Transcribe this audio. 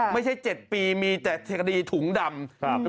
ไม่ใช่๗ปีมีแต่คดีถุงดำ